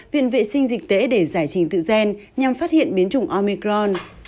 viện vệ sinh dịch tễ để giải trình tự gen nhằm phát hiện biến chủng omicron